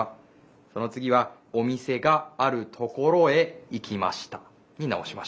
そのつぎは「おみせ『が』ある『ところ』へいきました」になおしました。